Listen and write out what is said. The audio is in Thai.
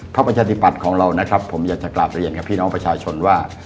ประชาธิปัตย์ของเรานะครับผมอยากจะกราบเรียนกับพี่น้องประชาชนว่า